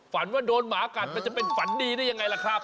ฝันว่าโดนหมากัดมันจะเป็นฝันดีได้ยังไงล่ะครับ